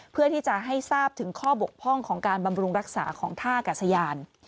เพื่อที่จะให้ทราบถึงข้อบกพร่องของการบำรุงรักษาของท่ากัศยาน